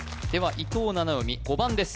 伊藤七海５番です